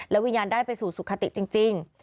วิญญาณได้ไปสู่สุขติจริง